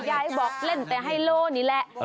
ยายบอกเล่นแต่ไฮโลนี่แหละ